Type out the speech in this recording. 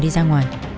đi ra ngoài